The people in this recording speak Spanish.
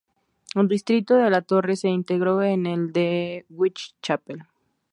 El distrito de la Torre se integró en el de Whitechapel.